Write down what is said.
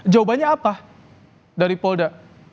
jawabannya apa dari polda